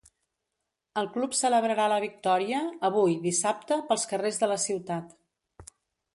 El club celebrarà la victòria avui, dissabte, pels carrers de la ciutat.